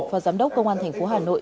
phó giám đốc công an thành phố hà nội